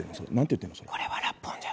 これはラップ音。